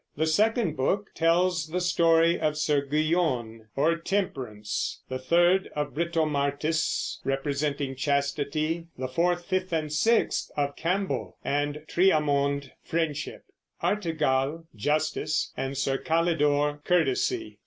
The second book tells the story of Sir Guyon, or Temperance; the third, of Britomartis, representing Chastity; the fourth, fifth, and sixth, of Cambel and Triamond (Friendship), Artegall (Justice), and Sir Calidore (Courtesy).